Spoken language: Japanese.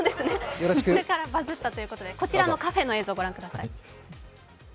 それからバズったということでこちらのカフェの映像を御覧ください。